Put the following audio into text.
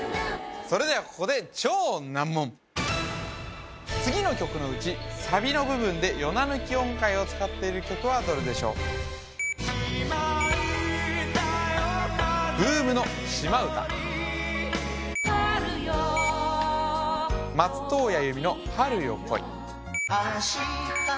それではここで次の曲のうちサビの部分でヨナ抜き音階を使っている曲はどれでしょう島唄よ風に乗り春よ